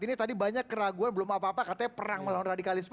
ini tadi banyak keraguan belum apa apa katanya perang melawan radikalisme